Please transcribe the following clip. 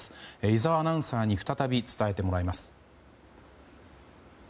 井澤アナウンサーに再び伝えてもらいます。